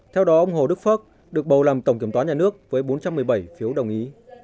theo đó ông hồ đức phước được bầu làm tổng kiểm toán nhà nước với bốn trăm một mươi bảy phiếu đồng ý